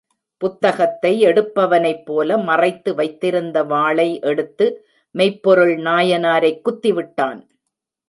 புத்தகத்தை எடுப்பவனைப் போல மறைத்து வைத்திருந்த வாளை எடுத்து மெய்ப்பொருள் நாயனாரை குத்திவிட்டான்.